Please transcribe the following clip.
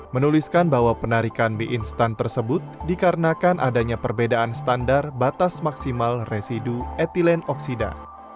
menuliskan bahwa penarikan mie instan tersebut dikarenakan adanya perbedaan standar batas maksimal residu etilen oksida